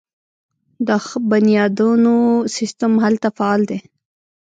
د بنیادونو سیستم هلته فعال دی.